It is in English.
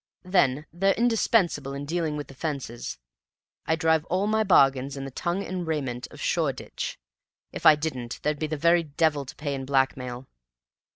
Then they're indispensable in dealing with the fences. I drive all my bargains in the tongue and raiment of Shoreditch. If I didn't there'd be the very devil to pay in blackmail.